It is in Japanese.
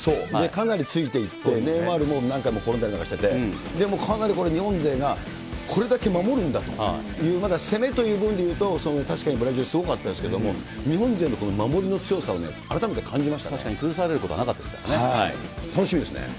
かなりついていって、ネイマールも転んだりなんかしてて、かなりこれ日本勢が、これだけ守るんだと、まだ攻めという部分で言うと、確かにブラジル、すごかったですけど、日本勢の守りの強確かに崩されることなかった楽しみですね。